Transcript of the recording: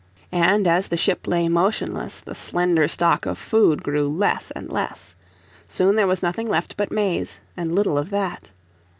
And as the ship lay motionless the slender stock of food grew less and less. Soon there was nothing left but maize, and little of that.